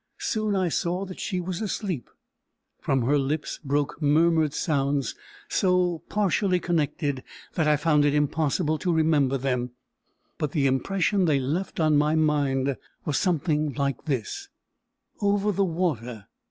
Soon I saw that she was asleep. From her lips broke murmured sounds, so partially connected that I found it impossible to remember them; but the impression they left on my mind was something like this, "Over the water.